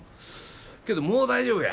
けどもう大丈夫や。